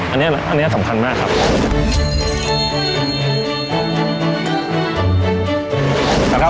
อันนี้สำคัญมากครับ